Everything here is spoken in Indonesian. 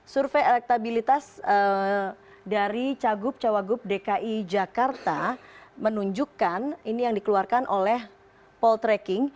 survei elektabilitas dari cagup cawagup dki jakarta menunjukkan ini yang dikeluarkan oleh poltreking